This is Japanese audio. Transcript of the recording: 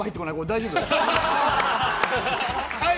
大丈夫？